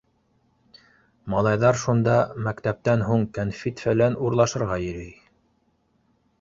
Малайҙар шунда мәктәптән һуң кәнфит-фәлән урлашырға йөрөй.